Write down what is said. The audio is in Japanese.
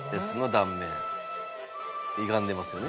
ゆがんでますよね。